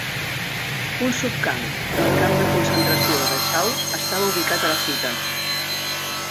Un subcamp del camp de concentració de Dachau estava ubicat a la ciutat.